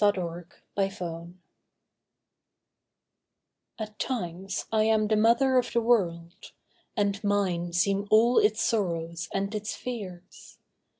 THE WORLD CHILD At times I am the mother of the world; And mine seem all its sorrows, and its fears.